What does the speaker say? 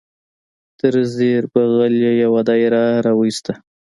تر زیر بغل یې یو دایره را وایسته.